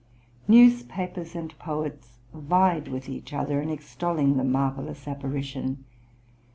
Newspapers and poets vied with each other in extolling the marvellous apparition.